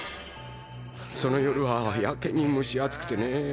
その夜はやけに蒸し暑くてね